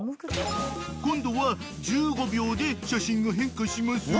［今度は１５秒で写真が変化しますよ］